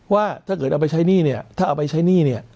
ว่าถ้าเกิดเอาไปใช้หนี้เนี่ยถ้าเอาไปใช้หนี้เนี่ย